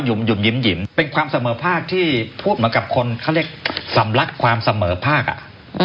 หยุ่มหิมเป็นความเสมอภาคที่พูดเหมือนกับคนเขาเรียกสำลักความเสมอภาคอ่ะ